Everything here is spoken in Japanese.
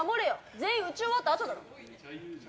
全員打ち終わった後だろ！